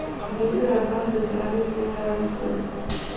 Muchas de las danzas tradicionales tienen una larga historia.